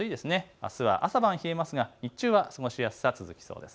あすは朝晩冷えますが日中は過ごしやすさ続きそうです。